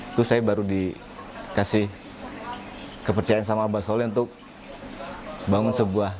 itu saya baru dikasih kepercayaan sama abah soleh untuk bangun sebuah